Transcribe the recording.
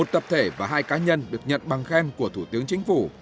một tập thể và hai cá nhân được nhận bằng khen của thủ tướng chính phủ